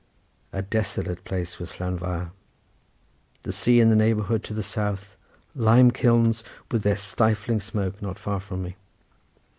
A desolate place was Llanfair. The sea in the neighbourhood to the south, limekilns with their stifling smoke not far from me.